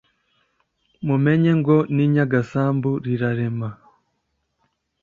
mumenye ngo “n’i nyagasambu rirarema”,